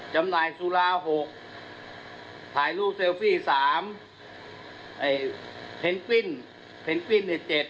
จำหน่ายสุรา๖ถ่ายรูปเซลฟี่๓เพนกวิ้น๗